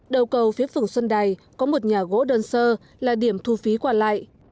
đầu cầu phía phường xuân đài có một nhà gỗ đơn sơ là điểm thu phí còn lại